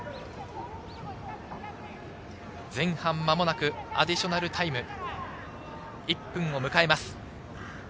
前半、間もなくアディショナルタイム１分を迎えます。